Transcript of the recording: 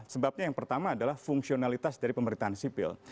sebabnya yang pertama adalah fungsionalitas dari pemerintahan sipil